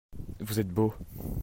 Vous êtes beau.